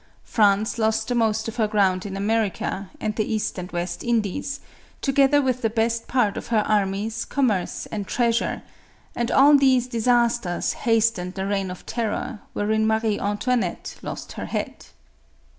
France lost the most of her ground in America and the East and West Indies, together with the best part of her armies, commerce and treasure ; and all these dis asters hastened the Reign of Terror, wherein Mario Antoinette lost her head.